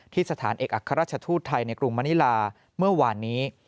สถานเอกอัครราชทูตไทยในกรุงมณิลาเมื่อวานนี้